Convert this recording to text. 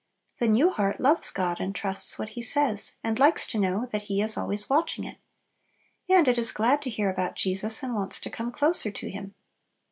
The new heart loves God and trusts what He says, and likes to know that He is always watching it. And it is glad to hear about Jesus, and wants to come closer to Him.